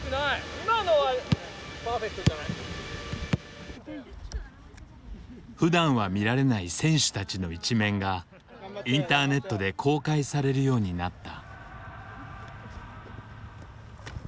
今のはパーフェクトじゃない？ふだんは見られない選手たちの一面がインターネットで公開されるようになった。